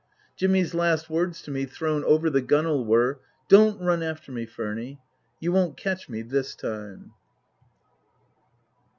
Jimmy's last words to me, thrown over the gunwale, were, " Don't run after me, Furny. You won't catch me this time."